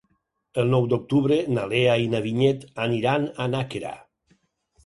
El nou d'octubre na Lea i na Vinyet aniran a Nàquera.